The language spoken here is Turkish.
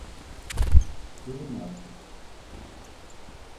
Durun artık!